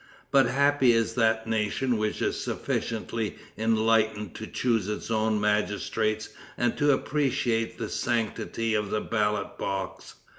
But happy is that nation which is sufficiently enlightened to choose its own magistrates and to appreciate the sanctity of the ballot box.